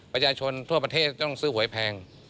ประชาชนทั่วประเทศต้องซื้อหวยแพง